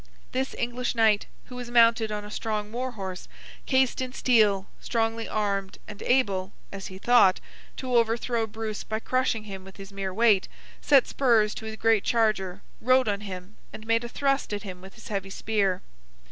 This English Knight, who was mounted on a strong war horse, cased in steel, strongly armed, and able (as he thought) to overthrow Bruce by crushing him with his mere weight, set spurs to his great charger, rode on him, and made a thrust at him with his heavy spear.